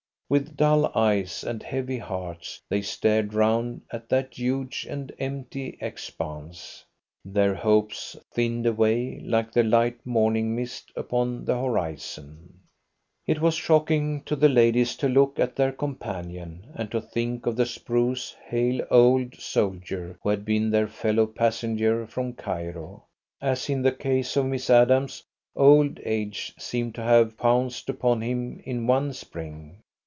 With dull eyes and heavy hearts they stared round at that huge and empty expanse. Their hopes thinned away like the light morning mist upon the horizon. It was shocking to the ladies to look at their companion, and to think of the spruce, hale old soldier who had been their fellow passenger from Cairo. As in the case of Miss Adams, old age seemed to have pounced upon him in one spring.